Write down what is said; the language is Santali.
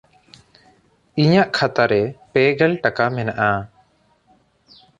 ᱤᱧᱟᱜ ᱠᱷᱟᱛᱟ ᱨᱮ ᱯᱮ ᱜᱮᱞ ᱴᱟᱠᱟ ᱢᱮᱱᱟᱜᱼᱟ᱾